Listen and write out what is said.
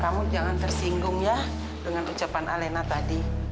kamu jangan tersinggung ya dengan ucapan alena tadi